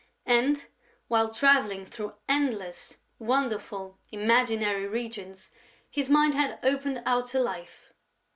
And, while travelling through endless, wonderful, imaginary regions, his mind had opened out to life.